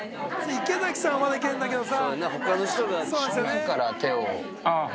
池崎さんはまだいけんだけどさ。